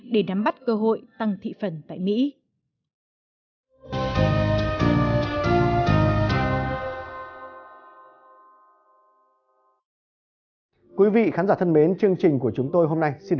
để nắm bắt cơ hội tăng thị phần tại mỹ